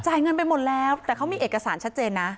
เงินไปหมดแล้วแต่เขามีเอกสารชัดเจนนะ